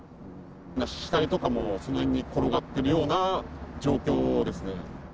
死体とかもその辺に転がっているような状況ですね。